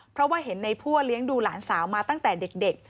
เพราะว่าเห็นในพั่วเลี้ยงดูหลานสาวมาตั้งแต่เด็ก